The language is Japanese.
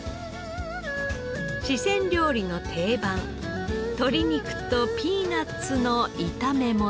四川料理の定番鶏肉とピーナッツの炒め物。